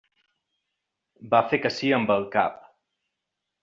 Va fer que sí amb el cap.